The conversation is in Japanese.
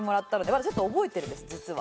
まだちょっと覚えてるんです実は。